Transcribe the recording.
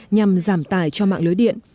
nhằm giảm tài cho mạng lưới điện